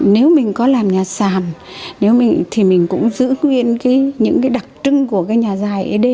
nếu mình có làm nhà sàn thì mình cũng giữ nguyên những đặc trưng của nhà dài ấy đê